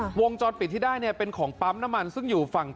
วงจรปิดที่ได้เนี่ยเป็นของปั๊มน้ำมันซึ่งอยู่ฝั่ง